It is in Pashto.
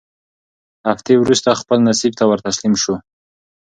هفتې وورسته خپل نصیب ته ورتسلیم سو